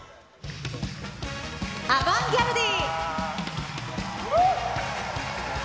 アバンギャルディ。